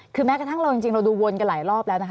คือแม้กระทั่งเราจริงเราดูวนกันหลายรอบแล้วนะคะ